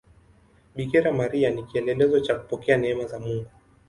Bikira Maria ni kielelezo cha kupokea neema za Mungu.